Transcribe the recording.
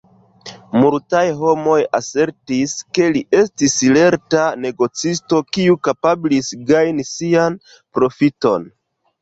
Multaj homoj asertis, ke li estis lerta negocisto, kiu kapablis gajni sian profiton.